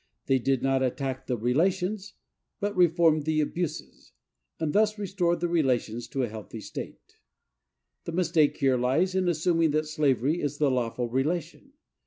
They did not attack the relations, but reformed the abuses, and thus restored the relations to a healthy state. The mistake here lies in assuming that slavery is the lawful relation.